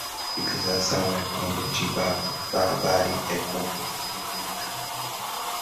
Civilização é quando eu te bato, barbárie é quando você revida